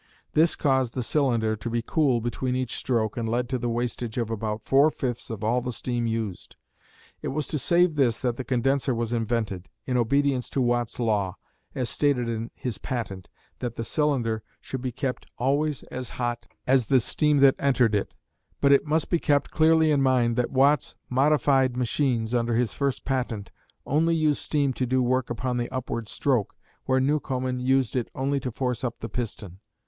This caused the cylinder to be cooled between each stroke and led to the wastage of about four fifths of all the steam used. It was to save this that the condenser was invented, in obedience to Watt's law, as stated in his patent, that "the cylinder should be kept always as hot as the steam that entered it"; but it must be kept clearly in mind that Watt's "modified machines," under his first patent, only used steam to do work upon the upward stroke, where Newcomen used it only to force up the piston.